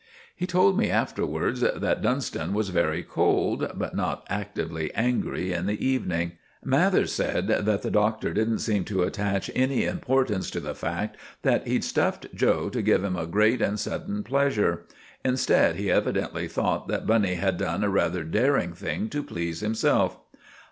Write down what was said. He told me afterwards that Dunstan was very cold, but not actively angry in the evening. Mathers said that the Doctor didn't seem to attach any importance to the fact that he'd stuffed 'Joe' to give him a great and sudden pleasure. Instead, he evidently thought that Bunny had done a rather daring thing to please himself.